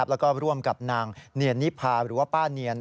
แล้วก็ร่วมกับนางเนียนนิพาหรือว่าป้าเนียน